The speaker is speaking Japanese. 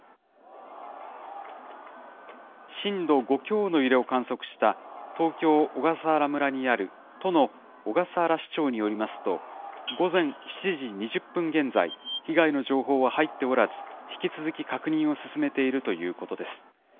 震度５強の揺れを観測した、東京・小笠原村にある都の小笠原支庁によりますと、午前７時２０分現在、被害の情報は入っておらず、引き続き確認を進めているということです。